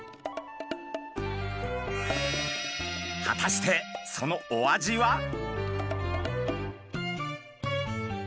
果たしてそのお味は？